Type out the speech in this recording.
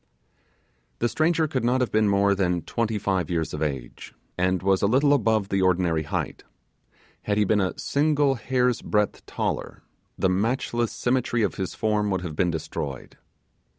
The stranger could not have been more than twenty five years of age, and was a little above the ordinary height; had he a single hair's breadth taller, the matchless symmetry of his form would have been destroyed.